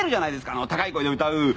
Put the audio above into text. あの高い声で歌う。